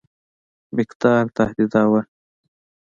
مقدار تهدیداوه.